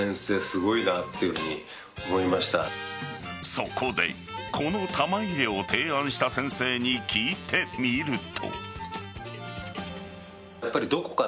そこで、この玉入れを提案した先生に聞いてみると。